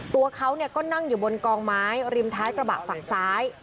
ตัวเขาก็นั่งอยู่บนกองไม้ริมท้ายกระบะฝั่งซ้าย